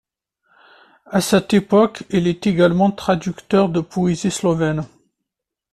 À cette époque, il est également traducteur de poésie slovène.